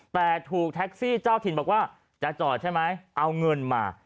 แต่ถูกแท็กซี่เจ้าถิ่นบอกว่าจะจอดใช่ไหมเอาเงินมา